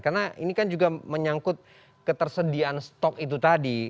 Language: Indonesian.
karena ini kan juga menyangkut ketersediaan stok itu tadi